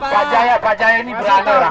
kakinya kakinya lurus jangan gemetar begitu